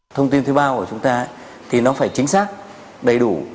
thông tin thứ ba của chúng ta thì nó phải chính xác đầy đủ